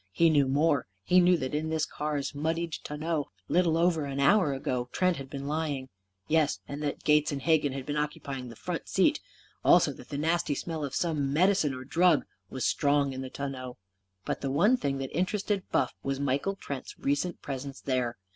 He knew more. He knew that in this car's muddied tonneau, little over half an hour ago, Trent had been lying. Yes, and that Gates and Hegan had been occupying the front seat. Also that the nasty smell of some medicine or drug was strong in the tonneau. But the one thing that interested Buff was Michael Trent's recent presence there.